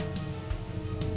kok dia mau sama aku terus